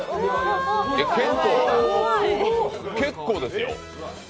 結構、結構ですよ。